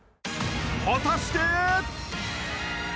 ［果たして］